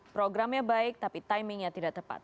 programnya baik tapi timingnya tidak tepat